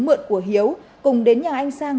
mượn của hiếu cùng đến nhà anh sang